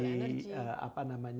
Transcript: kita lebih apa namanya